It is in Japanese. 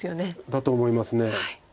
だと思います。